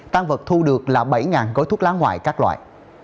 tăng vật thu được là bảy gói thuốc lá ngoại các loại